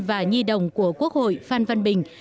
và nhi đồng của quốc hội phan văn bình